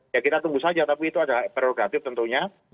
ya kita tunggu saja tapi itu ada prerogatif tentunya